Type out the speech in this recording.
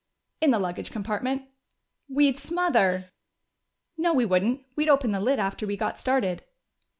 "In the luggage compartment." "We'd smother." "No, we wouldn't. We'd open the lid after we got started."